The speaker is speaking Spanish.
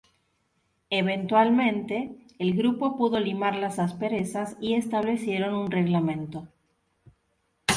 Eventualmente, el grupo pudo limar las asperezas y establecieron un reglamento.